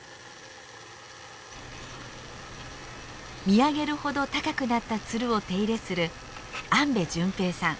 見上げるほど高くなったツルを手入れする安部純平さん。